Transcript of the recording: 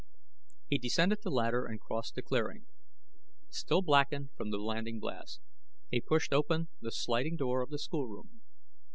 He descended the ladder and crossed the clearing, still blackened from the landing blast; he pushed open the sliding door of the schoolroom.